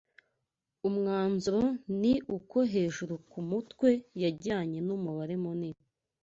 Umwanzuro ni uko hejuru kumutwe yajyanye numubare munini